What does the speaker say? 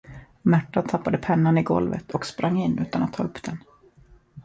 Märta tappade pennan i golvet och sprang in utan att ta upp den.